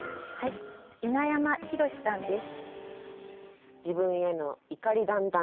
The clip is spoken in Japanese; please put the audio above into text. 稲山博司さんです。